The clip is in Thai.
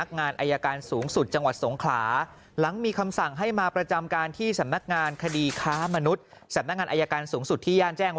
ในคลิปนี่